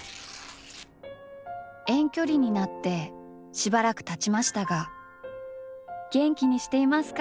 「遠距離になってしばらく経ちましたが元気にしていますか？